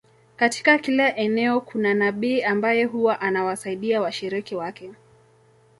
Katika kila eneo kuna nabii ambaye huwa anawasaidia washiriki wake